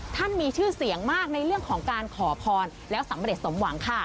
มีชื่อเสียงมากในเรื่องของการขอพรแล้วสำเร็จสมหวังค่ะ